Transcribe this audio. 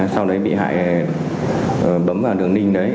sau đấy bị hại bấm vào đường link đấy